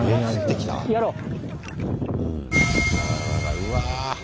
うわ。